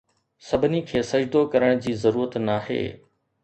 سڀني کي سجدو ڪرڻ جي ضرورت ناهي